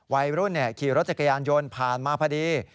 วัยรุ่นขี่รถจักรยานยนต์ผ่านมาพอดี